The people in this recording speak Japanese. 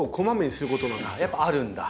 やっぱあるんだ。